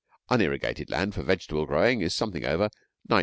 Unirrigated land for vegetable growing is something over £9:12s.